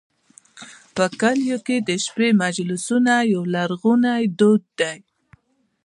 په کلیو کې د شپې مجلسونه یو لرغونی دود دی.